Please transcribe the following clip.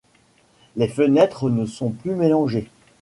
Les fenêtres ne sont plus mélangées.